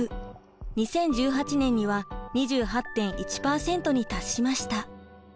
２０１８年には２８．１％に達しました。